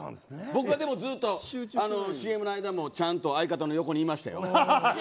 僕はずっとＣＭの間も相方の横にいましたよ。